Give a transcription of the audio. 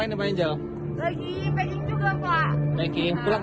nih sekarang kita lihat